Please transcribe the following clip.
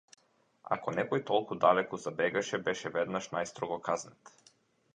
Ако некој толку далеку забегаше беше веднаш најстрого казнет.